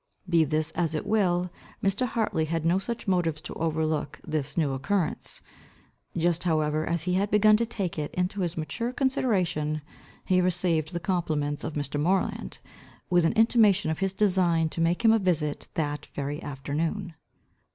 Be this as it will, Mr. Hartley had no such motives to overlook this new occurrence. Just however as he had begun to take it into his mature consideration, he received the compliments of Mr. Moreland, with an intimation of his design to make him a visit that very afternoon.